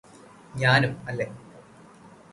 ഞാനും അല്ലേ